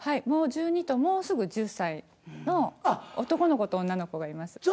もう１２ともうすぐ１０歳の男の子と女の子がいます。